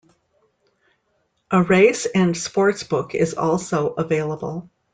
A Race and Sports Book is also available.